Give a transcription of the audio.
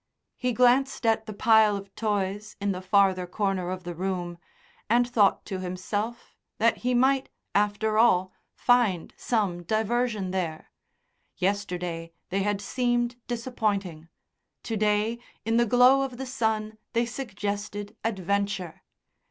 He glanced at the pile of toys in the farther corner of the room, and thought to himself that he might, after all, find some diversion there. Yesterday they had seemed disappointing; to day in the glow of the sun they suggested, adventure.